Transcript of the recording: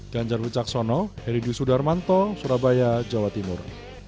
ganjar wicaksono heri dwi sudarmanto surabaya jawa timur